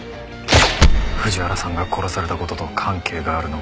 藤原さんが殺された事と関係があるのか。